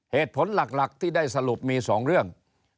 เหตุผลหลักที่ได้สรุปมี๒เรื่อง